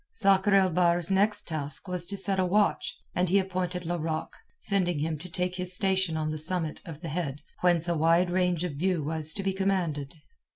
Sakr el Bahr's next task was to set a watch, and he appointed Larocque, sending him to take his station on the summit of the head whence a wide range of view was to be commanded.